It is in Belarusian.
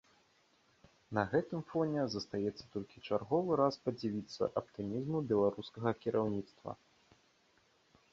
На гэтым фоне застаецца толькі чарговы раз падзівіцца аптымізму беларускага кіраўніцтва.